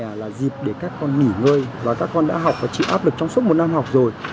trong dịp hè là dịp để các con nghỉ ngơi và các con đã học và chịu áp lực trong suốt một năm học rồi